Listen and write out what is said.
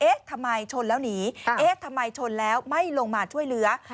ทำไมชนแล้วหนีเอ๊ะทำไมชนแล้วไม่ลงมาช่วยเหลือ